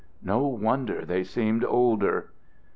No wonder they seemed older.